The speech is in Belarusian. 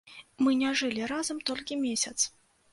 Мы не жылі разам толькі месяц.